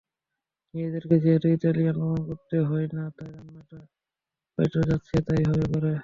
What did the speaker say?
নিজেদেরকে যেহেতু ইতালিয়ান প্রমাণ করতে হয় না তাই রান্নাটা হয়তো যাচ্ছেতাই-ভাবে করে।